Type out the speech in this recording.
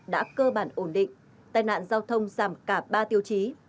đã cơ bản ổn định tai nạn giao thông giảm cả ba tiêu chí